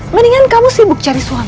mendingan kamu sibuk cari suami